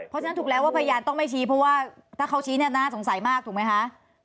เพราะฉะนั้นถูกแล้วว่าพยานต้องไม่ชี้เพราะว่าถ้าเขาชี้เนี่ยน่าสงสัยมากถูกไหมคะ